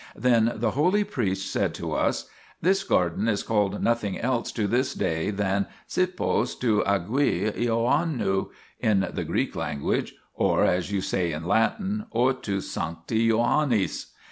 Then the holy priest said to us :" This garden is called nothing else to this day than 2 cepos tu agiu iohannu in the Greek language, or as you say in Latin, hortus sancti Johannis.